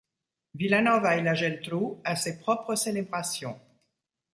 Vilanova i la Geltrú a ses propres célébrations.